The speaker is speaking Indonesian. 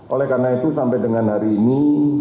oleh karena itu sampai dengan hari ini